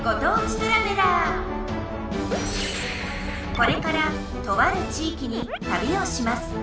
これからとある地域にたびをします。